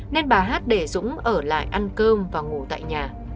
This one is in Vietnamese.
nên bà hát để dũng ở lại ăn cơm và ngủ tại nhà